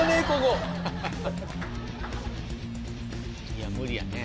いや無理やね